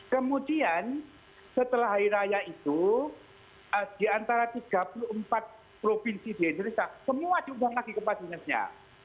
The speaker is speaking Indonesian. kemudian setelah hari raya itu di antara tiga puluh empat provinsi di indonesia semua diundang lagi kepala dinasnya